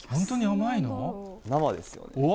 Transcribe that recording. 生ですよ。